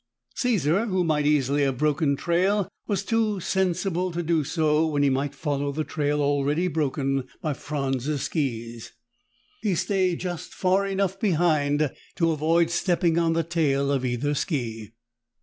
Caesar, who might easily have broken trail, was too sensible to do so when he might follow the trail already broken by Franz's skis. He stayed just far enough behind to avoid stepping on the tail of either ski.